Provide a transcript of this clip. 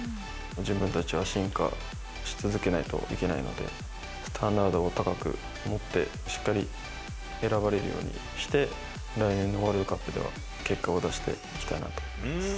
自分たちは進化し続けないといけないので、スタンダードを高く持って、しっかり選ばれるようにして、来年のワールドカップでは結果を出していきたいなと思います。